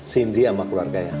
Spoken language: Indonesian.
si indy sama keluarganya